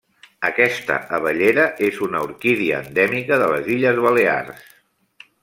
Aquesta abellera és una orquídia endèmica de les Illes Balears.